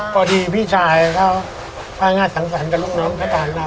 พอดีพี่ชายเขาภายงานสังสรรค์กับลูกน้องพระทางนั้น